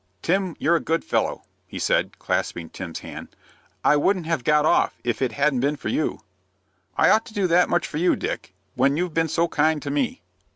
"Tim, you're a good fellow," he said, clasping Tim's hand. "I wouldn't have got off, if it hadn't been for you." "I ought to do that much for you, Dick, when you've been so kind to me."